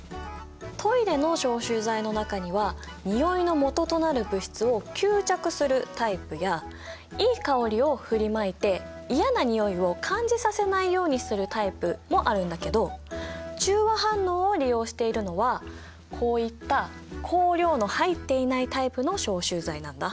トイレの消臭剤の中にはにおいのもととなる物質を吸着するタイプやいい香りを振りまいて嫌なにおいを感じさせないようにするタイプもあるんだけど中和反応を利用しているのはこういった香料の入っていないタイプの消臭剤なんだ。